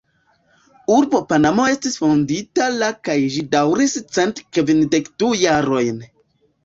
Urbo Panamo estis fondita la kaj ĝi daŭris cent kvindek du jarojn.